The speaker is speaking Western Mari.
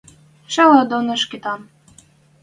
Шӓлӓ доно Шкетан.